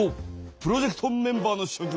プロジェクトメンバーのしょ君。